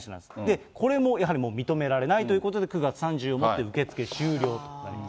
で、これもやはり認められないということで、９月３０日をもって受け付け終了となります。